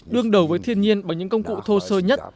đương đầu với thiên nhiên bằng những công cụ thô sơ nhất